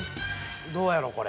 どうやろこれ。